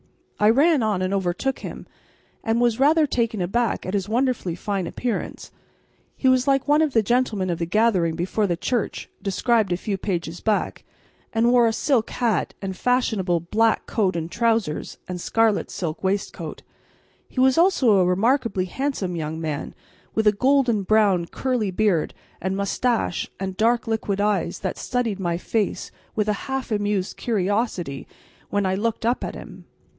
I ran on and overtook him, and was rather taken aback at his wonderfully fine appearance. He was like one of the gentlemen of the gathering before the church, described a few pages back, and wore a silk hat and fashionable black coat and trousers and scarlet silk waistcoat; he was also a remarkably handsome young gentleman, with a golden brown curly beard and moustache and dark liquid eyes that studied my face with a half amused curiosity when I looked up at him.